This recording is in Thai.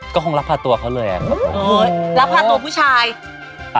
ก็คงรับผ่าตัวเขาเลยอะ